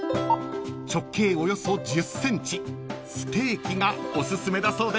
［直径およそ１０ｃｍステーキがおすすめだそうです］